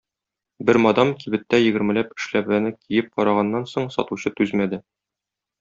Бер мадам, кибеттә егермеләп эшләпәне киеп караганнан соң, сатучы түзмәде.